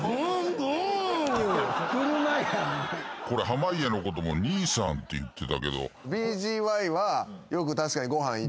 濱家のことも「兄さん」って言ってたけど。